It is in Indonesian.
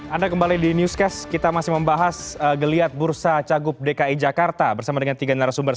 anda kembali di newscast kita masih membahas geliat bursa cagup dki jakarta bersama dengan tiga narasumber